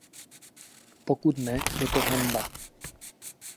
Pokud ne, je to hanba.